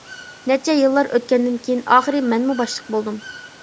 نەچچە يىللار ئۆتكەندىن كېيىن، ئاخىرى مەنمۇ باشلىق بولدۇم.